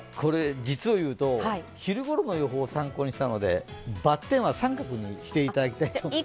実をいうと、昼ごろの予報を参考にしたので×は△にしていただきたい。